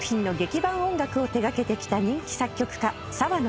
伴音楽を手掛けてきた人気作曲家］